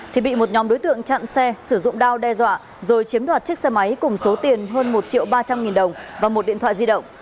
thì bị một nhóm đối tượng chặn xe sử dụng đao đe dọa rồi chiếm đoạt chiếc xe máy cùng số tiền hơn một triệu ba trăm linh nghìn đồng và một điện thoại di động